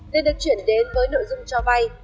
nên được chuyển đến với nội dung cho vay